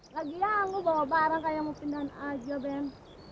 lagian gua bawa barang kayak mau pindahan aja ben